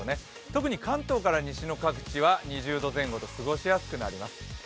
特に、関東から西の各地は２０度前後と過ごしやすくなります。